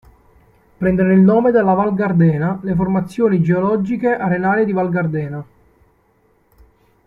Prendono il nome dalla val Gardena le formazioni geologiche "arenarie di Val Gardena".